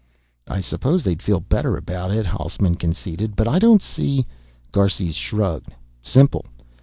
"I suppose they'd feel better about it," Hausman conceded. "But I don't see " Garces shrugged. "Simple.